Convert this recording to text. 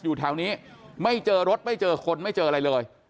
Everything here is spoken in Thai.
อยู่แถวนี้ไม่เจอรถไม่เจอคนไม่เจออะไรเลย